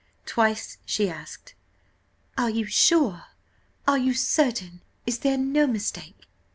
Twice she asked "Are you sure are you certain is there no mistake?"